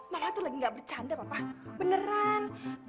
mama tuh lagi nggak bercanda papa beneran